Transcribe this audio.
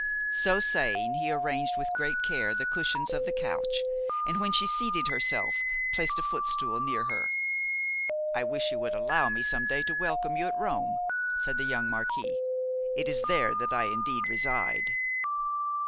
So saying, he arranged with great care the cushions of the couch, and, when she seated herself, placed a footstool near her. 'I wish you would allow me some day to welcome you at Rome,' said the young marquis. 'It is there that I indeed reside.